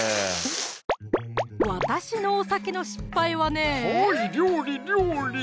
私のお酒の失敗はねはい料理料理！